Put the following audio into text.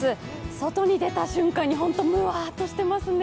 外に出た瞬間に本当にむわっとしてますね。